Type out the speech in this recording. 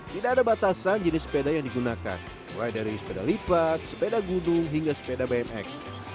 tidak ada batasan jenis sepeda yang digunakan mulai dari sepeda lipat sepeda gudung hingga sepeda bmx